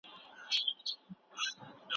او څه کم دوه زره کورونه پکښی تباه سول.